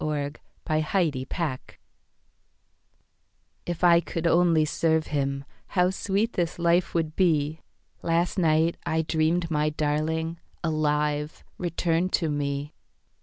Service Anna Hempstead Branch IF I could only serve him, How sweet this life would be. Last night I dreamed my darling, Alive, returned to me.